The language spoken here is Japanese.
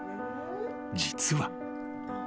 ［実は］